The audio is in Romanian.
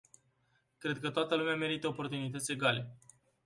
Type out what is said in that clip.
Cred că toată lumea merită oportunități egale.